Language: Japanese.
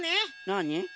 なに？